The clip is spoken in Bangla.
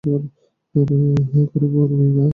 এখনি মরবি না!